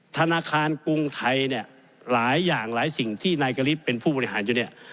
ธนาคารกรุงไทยเนี่ยหลายอย่างหลายสิ่งที่นายกริบเป็นผู้บริหารอยู่เนี่ย